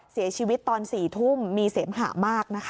เสียชีวิตตอน๔ทุ่มมีเสียมหามาก